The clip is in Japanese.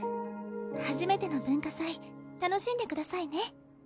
初めての文化祭楽しんでくださいね